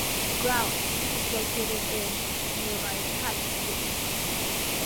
The ground is located in nearby Hattstedt.